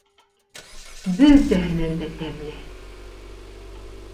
— Бөтәһенән дә тәмле!